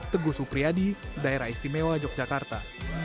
teguh supriyadi daerah istimewa yogyakarta